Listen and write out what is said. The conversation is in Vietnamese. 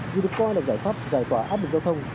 dù được coi là giải pháp giải tỏa áp lực giao thông